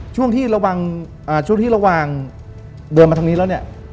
ช่วงที่ระวังเดินมาทางนี้แล้ว